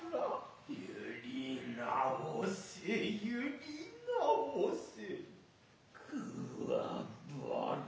ゆり直せゆり直せ。